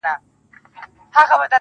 ټولو په لپو کي سندرې، دې ټپه راوړې~